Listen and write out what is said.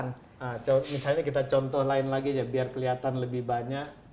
nah misalnya kita contoh lain lagi biar kelihatan lebih banyak